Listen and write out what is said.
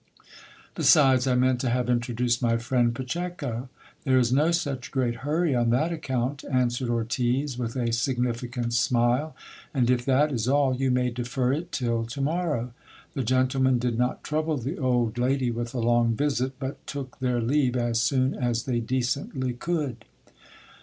Besides, I meant to have introduced my friend Pacheco. There is no such great hurry on that account, answered Ortiz with a significant smile, and if that is all, you may defer it till to morrow. The gen j tlemen did not trouble the old lady with a long visit, but took their leave as soon J as they decently could.